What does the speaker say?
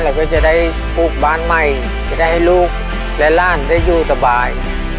เราก็จะได้ปลูกบ้านใหม่จะได้ให้ลูกและหลานได้อยู่สบาย